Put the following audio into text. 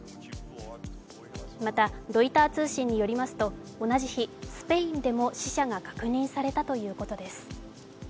またロイター通信によりますと同じ日、スペインでも死者が確認されたということです。